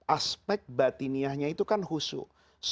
aspek batiniyahnya itu kan khusus